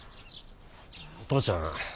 お父ちゃん